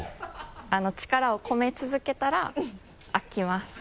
力を込め続けたら開きます。